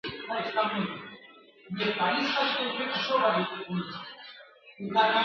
نن سبا به ګورو عدالت د نړۍ څه وايي ..